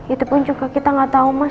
itu pun juga kita nggak tahu mas